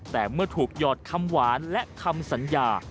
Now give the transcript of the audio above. แต่เมื่อถูกหยอดคำหวานและคำสัญญา